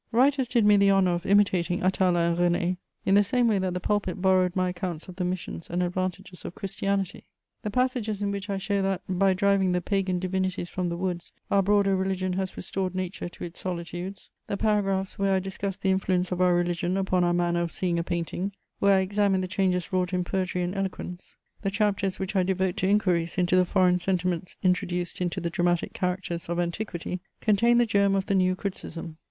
Writers did me the honour of imitating Atala and René, in the same way that the pulpit borrowed my accounts of the missions and advantages of Christianity. The passages in which I show that, by driving the pagan divinities from the woods, our broader religion has restored nature to its solitudes; the paragraphs where I discuss the influence of our religion upon our manner of seeing a painting, where I examine the changes wrought in poetry and eloquence; the chapters which I devote to inquiries into the foreign sentiments introduced into the dramatic characters of antiquity contain the germ of the new criticism.